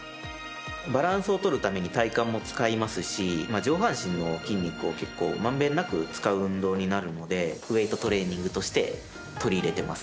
バランスをとるために体幹も使いますし上半身の筋肉を結構まんべんなく使う運動になるのでウエイトトレーニングとして取り入れてます。